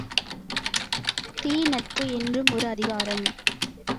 தீ நட்பு என்றும் ஒரு அதிகாரம்!